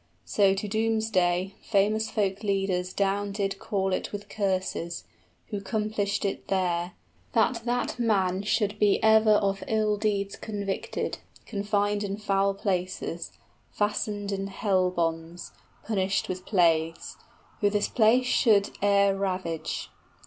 So to doomsday, famous folk leaders down did Call it with curses who 'complished it there That that man should be ever of ill deeds convicted, 15 Confined in foul places, fastened in hell bonds, Punished with plagues, who this place should e'er ravage.